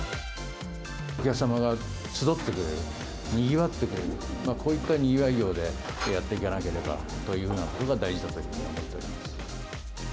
お客様が集ってくれる、にぎわってくれる、こういったにぎわい業でやっていかなければというようなことが大事だと思っています。